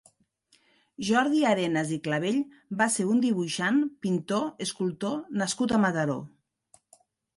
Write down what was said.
Jordi Arenas i Clavell va ser un dibuixant, pintor, escultor nascut a Mataró.